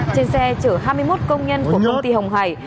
trên xe chở hai mươi một công nhân của công ty hồng hải